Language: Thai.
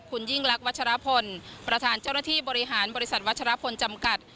คุณยิ่งรักวัชรพลประธานเจ้าหน้าที่บริหารบริษัทวัชรพลจำกัด